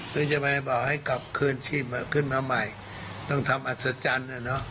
คุณจะมาบอกให้กลับคืนขึ้นมาใหม่ต้องทำอัศจรรย์อ่ะเนอะ